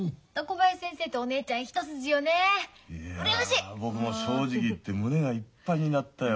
いや僕も正直言って胸がいっぱいになったよ。